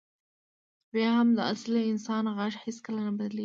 بیا هم د اصلي انسان غږ هېڅکله نه بدلېږي.